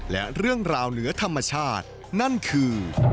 และเรื่องราวเหนือธรรมชาตินั่นคือ